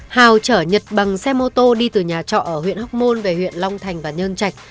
hào chở nhật bằng xe mô tô đi từ nhà trọ ở huyện hóc môn về huyện long thành và nhân trạch